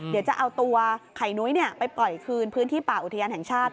เดี๋ยวจะเอาตัวไข่นุ้ยไปปล่อยคืนพื้นที่ป่าอุทยานแห่งชาติ